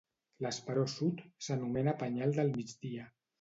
L'esperó sud s'anomena penyal del Migdia.